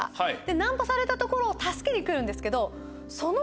ナンパされたところを助けに来るんですけど。